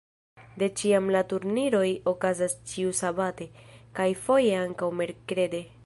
De tiam la turniroj okazas ĉiusabate, kaj foje ankaŭ merkrede.